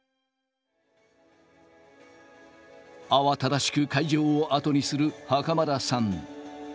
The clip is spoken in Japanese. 慌ただしく会場を後にする袴田さん。